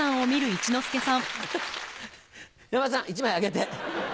山田さん１枚あげて。